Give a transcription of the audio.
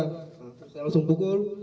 nah terus saya langsung pukul